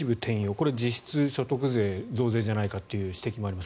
これ、実質所得税増税じゃないかという指摘があります。